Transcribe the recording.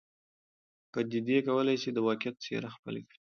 پدیدې کولای سي د واقعیت څېره خپل کړي.